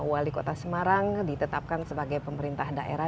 wali kota semarang ditetapkan sebagai pemerintah daerah